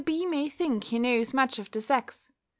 B. may think he knows much of the sex.